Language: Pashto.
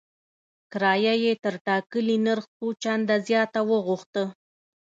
کرایه یې تر ټاکلي نرخ څو چنده زیاته وغوښته.